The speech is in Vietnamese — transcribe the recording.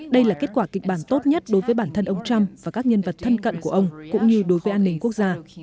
đây là kết quả kịch bản tốt nhất đối với bản thân ông trump và các nhân vật thân cận của ông cũng như đối với an ninh quốc gia